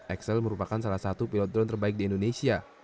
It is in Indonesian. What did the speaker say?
excel merupakan salah satu pilot drone terbaik di indonesia